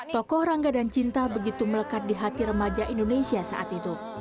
tokoh rangga dan cinta begitu melekat di hati remaja indonesia saat itu